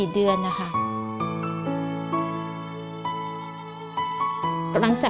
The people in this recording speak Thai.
๓๔เดือน